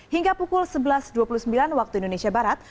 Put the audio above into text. hingga pukul sebelas dua puluh sembilan waktu indonesia barat